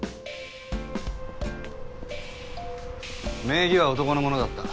名義は男のものだった。